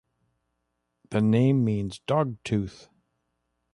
The name means dog-tooth.